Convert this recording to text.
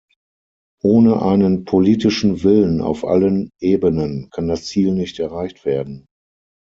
Ohne einen politischen Willen auf allen Ebenen kann das Ziel nicht erreicht werden.